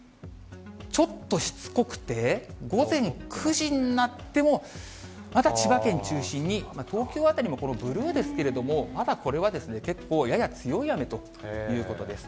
ちょっとしつこくて、午前９時になっても、まだ千葉県中心に、東京辺りもこのブルーですけれども、まだこれは結構、やや強い雨ということです。